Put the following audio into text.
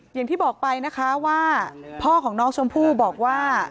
อย่างที่บอกไปนะคะว่าพ่อของน้องชมพู่บอกว่า